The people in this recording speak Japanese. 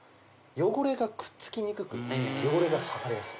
汚れがくっつきにくく汚れがはがれやすい